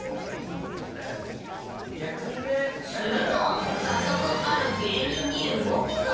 ［すると早速ある芸人に動きが］